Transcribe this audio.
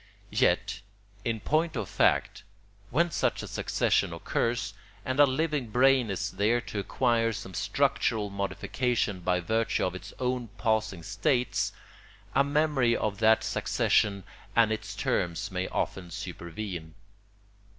Yet, in point of fact, when such a succession occurs and a living brain is there to acquire some structural modification by virtue of its own passing states, a memory of that succession and its terms may often supervene.